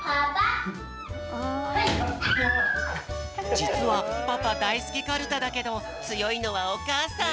じつはパパだいすきカルタだけどつよいのはおかあさん。